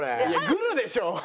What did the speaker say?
グルでしょ！！